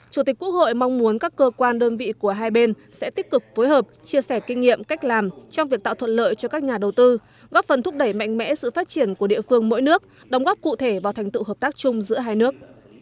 chủ tịch quốc hội mong muốn các cơ quan đơn vị của hai bên sẽ tích cực phối hợp chia sẻ kinh nghiệm cách làm trong việc tạo thuận lợi cho các nhà đầu tư góp phần thúc đẩy mạnh mẽ sự phát triển của địa phương mỗi nước đóng góp cụ thể vào thành tựu hợp tác chung giữa hai nước